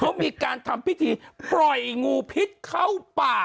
เขามีการทำพิธีปล่อยงูพิษเข้าป่า